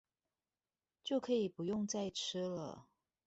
就可以不用再吃了